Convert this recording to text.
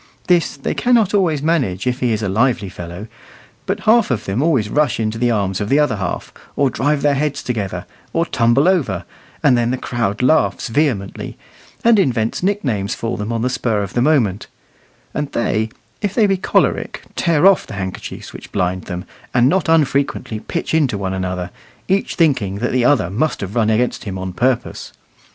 This they cannot always manage if he is a lively fellow, but half of them always rush into the arms of the other half, or drive their heads together, or tumble over; and then the crowd laughs vehemently, and invents nicknames for them on the spur of the moment; and they, if they be choleric, tear off the handkerchiefs which blind them, and not unfrequently pitch into one another, each thinking that the other must have run against him on purpose.